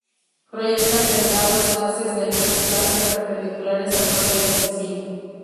Proyectan delgados haces de luz láser perpendiculares al vuelo del misil.